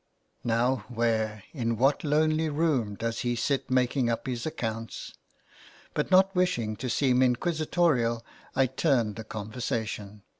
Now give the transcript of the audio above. '' Now where, in what lonely room, does he sit making up his accounts ? but, not wishing to seem inquisi torial, I turned the conversation.